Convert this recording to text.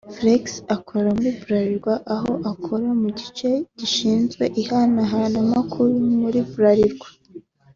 Felix akora muri Bralirwa aho akora mu gice gishinzwe ihanahanamakuru muri Bralirwa